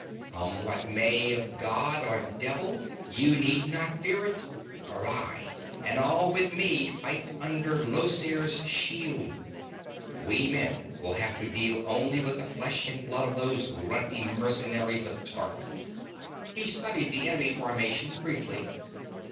Come what may of god or devil you need not fear it, for I and all with me fight under Llosir's shield. We men will have to deal only with the flesh and blood of those runty mercenaries of Tark." He studied the enemy formation briefly.